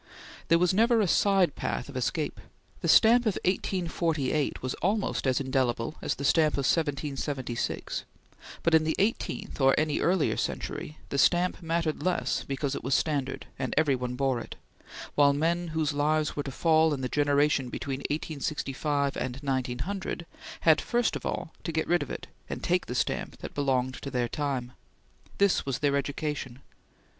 There was never a side path of escape. The stamp of 1848 was almost as indelible as the stamp of 1776, but in the eighteenth or any earlier century, the stamp mattered less because it was standard, and every one bore it; while men whose lives were to fall in the generation between 1865 and 1900 had, first of all, to get rid of it, and take the stamp that belonged to their time. This was their education.